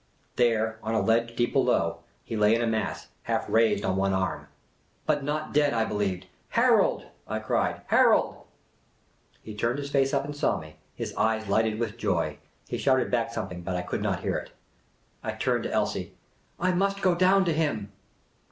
There, on a ledge deep below, he lay in a mass, half raised on one arm. But not dead, I believed. " Harold !" I cried. "Harold!" He turned his face up and saw me ; his eyes lighted with joy. He shouted back something, but I could not hear it. I turned to Elsie. " I must go down to him